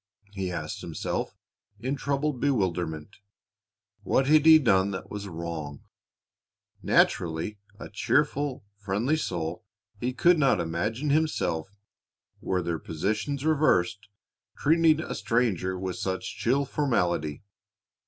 he asked himself in troubled bewilderment. What had he done that was wrong? Naturally a cheerful, friendly soul, he could not imagine himself, were their positions reversed, treating a stranger with such chill formality.